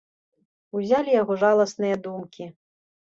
Узялі яго жаласныя думкі.